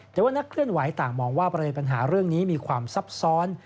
แต่ว่านักเคลื่อนไหวต่างมองว่าประเด็นปัญหาเรื่องนี้มีความซับซ้อน